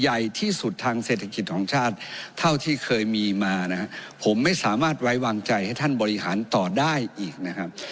ใหญ่ที่สุดทางเศรษฐกิจของชาติเท่าที่เคยมีมานะฮะผมไม่สามารถไว้วางใจให้ท่านบริหารต่อได้อีกนะครับ